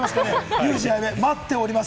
ユウジ・アヤベ、待っております！